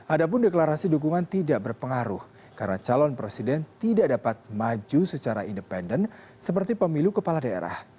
adapun deklarasi dukungan tidak berpengaruh karena calon presiden tidak dapat maju secara independen seperti pemilu kepala daerah